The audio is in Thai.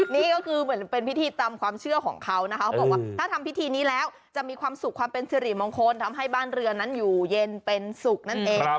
นี่ก็คือเหมือนเป็นพิธีตามความเชื่อของเขานะคะเขาบอกว่าถ้าทำพิธีนี้แล้วจะมีความสุขความเป็นสิริมงคลทำให้บ้านเรือนนั้นอยู่เย็นเป็นสุขนั่นเอง